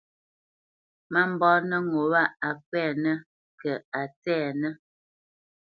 Má mbanǝ ŋó wá á nkwɛʼnɛ kɛ́ á ntsɛʼnǝ.